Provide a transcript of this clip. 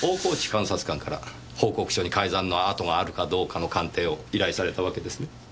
監察官から報告書に改ざんの跡があるかどうかの鑑定を依頼されたわけですね？